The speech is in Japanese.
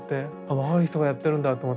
あ若い人がやってるんだと思って。